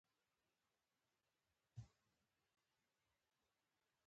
د پیاز د حاصل ټولول کله دي؟